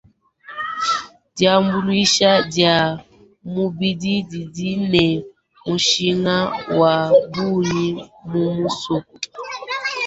Diambuluisha dia mubidi didi ne mushinga wa bungi mu misoko.